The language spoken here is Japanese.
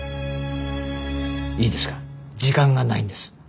いいですか時間がないんです。